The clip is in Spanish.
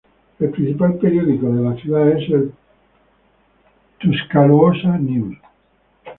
El principal periódico de la ciudad es el "Tuscaloosa News".